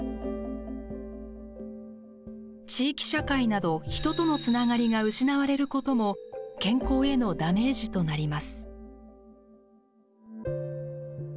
地域社会など人とのつながりが失われることも健康へのダメージとなります。